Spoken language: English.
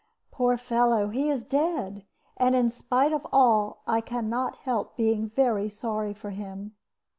Poor fellow, he is dead! And, in spite of all, I can not help being very sorry for him."